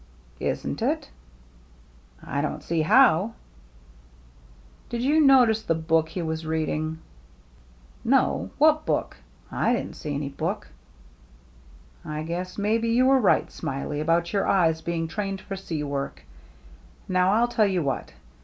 "Isn't it?" " I don't see how," " Did you notice the book he was read ing?" " No, what book ? I didn't see any book." " I guess maybe you were right. Smiley, about your eyes being trained for sea work. Now, ril tell you what.